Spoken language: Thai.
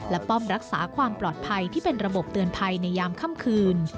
และป้อมรักษาความปลอดภัยที่เป็นระบบเตือนภัยในยามค่ำคืน